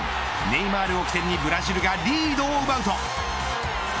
ネイマールを起点にブラジルがリードを奪うと。